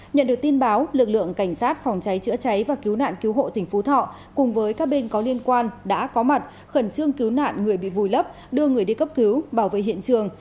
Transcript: nhận được tin báo lực lượng cảnh sát phòng cháy chữa cháy và cứu nạn cứu hộ tỉnh phú thọ cùng với các bên có liên quan đã có mặt khẩn trương cứu nạn người bị vùi lấp đưa người đi cấp cứu bảo vệ hiện trường